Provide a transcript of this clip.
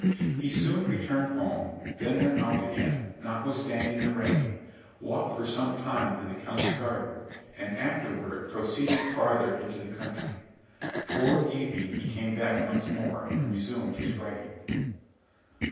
He soon returned home, then went out again, notwithstanding the rain, walked for some time in the count's garden, and afterward proceeded farther into the country. Toward evening he came back once more, and resumed his writing.